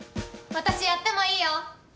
・私やってもいいよ。